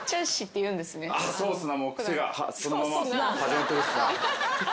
いやそうっすね。